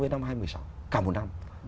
với năm hai nghìn một mươi sáu cả một năm